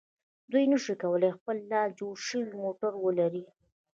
دوی نشي کولای د خپل لاس جوړ شوی موټر ولري.